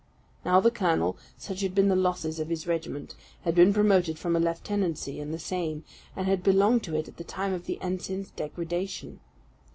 Now the colonel, such had been the losses of the regiment, had been promoted from a lieutenancy in the same, and had belonged to it at the time of the ensign's degradation.